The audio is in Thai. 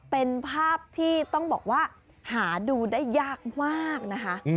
เป็นภาพที่ต้องบอกว่าหาดูได้ยากมากนะคะ